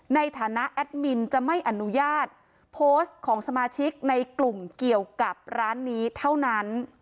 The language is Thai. ในฐานะแอดมินจะไม่อนุญาตโพสต์ของสมาชิกในกลุ่มเกี่ยวกับร้านนี้เท่านั้น